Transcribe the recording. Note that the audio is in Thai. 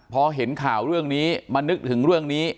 พอเห็นข่าวเรื่องนี้มานึกถึงเรื่องนี้